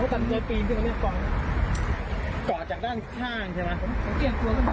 แล้วก็ตัดตัวปีนขึ้นอันนี้ก่อนก่อจากด้านข้างใช่ไหมอ๋อ